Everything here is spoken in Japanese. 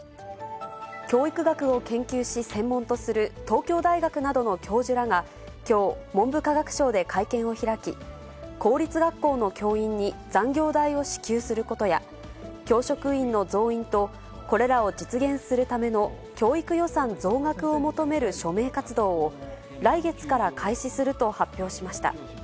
教育学を研究し専門とする東京大学などの教授らが、きょう、文部科学省で会見を開き、公立学校の教員に残業代を支給することや、教職員の増員と、これらを実現するための教育予算増額を求める署名活動を、来月から開始すると発表しました。